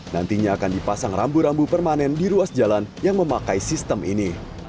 nantinya akan dipasang rambu rambu permanen di ruas jalan yang memakai sistem ini